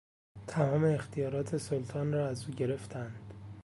تمام اختیارات سلطان را از او گرفتند.